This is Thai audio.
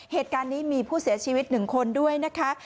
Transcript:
เหตุการณ์นี้มีผู้เสียชีวิต๑คนด้วยนะคะ